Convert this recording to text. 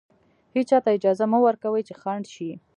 هېچا ته اجازه مه ورکوئ چې خنډ شي.